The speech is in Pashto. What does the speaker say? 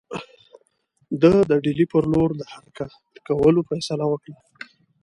ده د ډهلي پر لور د حرکت کولو فیصله وکړه.